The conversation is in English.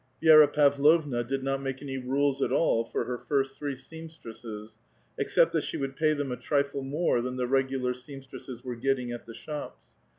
Vi^ra Pavlovna did not make any rules at all for her first three seamstresses, except that she would pay them a trifle more than the regu lar seamstresses were getting at the shops.